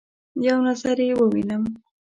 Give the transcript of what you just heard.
یو نظر يې ووینم